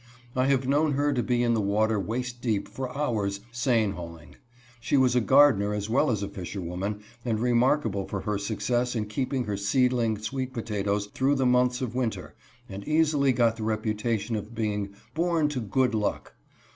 I have known her to be in the water waist deep, for hours, seine hauling. She was a gardener as well as a fisherwoman, and remarkable for her success in keeping her seedling sweet potatoes through the months of winter, and easily got the reputation of being born to " good luck."